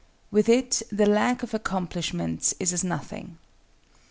With it the lack of accomplishments is as nothing."